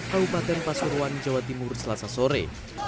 kabupaten pasuruan jawa timur selasa sore